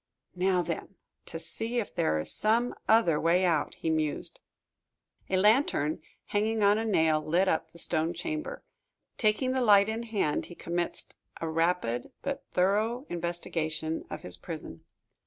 "Now, then, to see if there is some other way out," he mused. A lantern, hanging on a nail, lit up the stone chamber. Taking the light in hand, he commenced a rapid but thorough investigation of his prison.